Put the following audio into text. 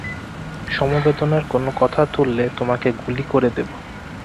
সমবেদনার কোনো কথা তুললে, তোমাকে গুলি করে দেবো।